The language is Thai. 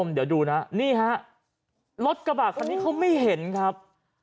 เดี๋ยวดูนะนี่ฮะรถกระบะคันนี้เขาไม่เห็นครับ